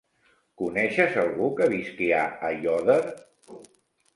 Coneixes algú que visqui a Aiòder?